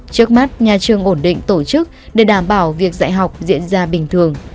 trước mắt nhà trường ổn định tổ chức để đảm bảo việc dạy học diễn ra bình thường